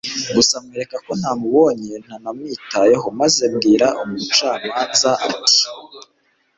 gusa mwereka ko ntamubonye ntanamwitayeho maze mbwira umucamanza ati